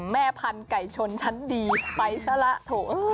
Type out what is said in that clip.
แม่พันธุ์ไก่ชนชั้นดีไปซะละเถอะ